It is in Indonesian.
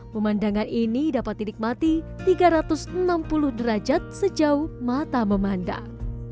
pemandangan ini dapat dinikmati tiga ratus enam puluh derajat sejauh mata memandang